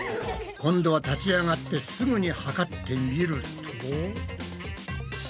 今度は立ち上がってすぐに測ってみると。